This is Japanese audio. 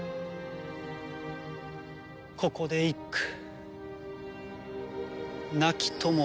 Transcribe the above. ここで一句。